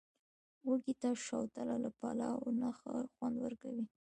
وږي ته، شوتله له پلاو نه ښه خوند ورکوي.